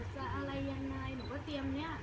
อะไรยังไงหนูก็เตรียมเนี่ย